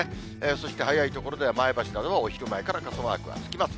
そして早い所では、前橋などはお昼前から傘マークがつきます。